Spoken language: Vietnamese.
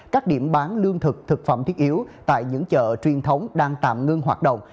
các điểm bán lương thực thực phẩm thiết yếu tại những chợ truyền thống đang tạm ngưng hoạt động